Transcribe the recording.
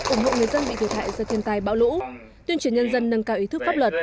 ủng hộ người dân bị thiệt hại do thiên tai bão lũ tuyên truyền nhân dân nâng cao ý thức pháp luật